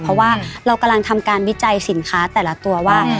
เพราะว่าเรากำลังทำการวิจัยสินค้าแต่ละตัวว่า